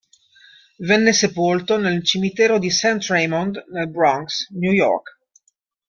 Venne sepolto nel cimitero di Saint Raymond nel Bronx, New York.